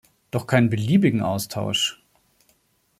Doch keinen beliebigen Austausch!